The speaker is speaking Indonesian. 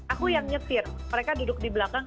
aku yang nyetir mereka duduk di belakang